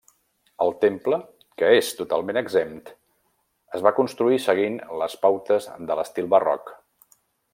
El temple, que és totalment exempt, es va construir seguint les pautes de l'estil Barroc.